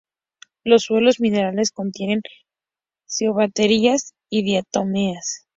Los suelos minerales contienen cianobacterias y diatomeas.